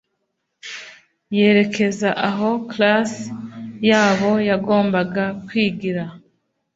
yerekeza aho class yabo yagombaga kwigira